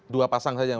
dua pasang saja